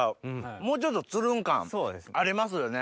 もうちょっとつるん感ありますよね。